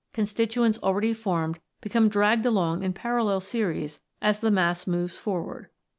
Constituents already formed become dragged along in parallel series as the mass moves forward.